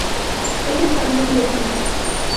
ellas habían bebido